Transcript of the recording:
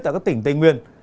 tại các tỉnh tây nguyên